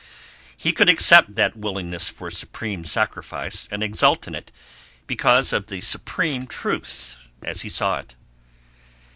He could accept that willingness for supreme sacrifice and exult in it because of the supreme truth as he saw it.